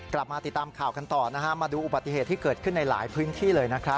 กลับมาติดตามข่าวกันต่อมาดูอุบัติเหตุที่เกิดขึ้นในหลายพื้นที่เลยนะครับ